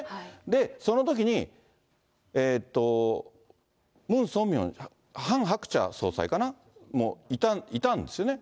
で、そのときにハン・ハクチャ総裁かな？もいたんですよね。